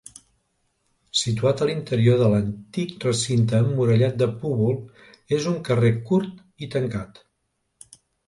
Situat a l'interior de l'antic recinte emmurallat de Púbol, és un carrer curt i tancat.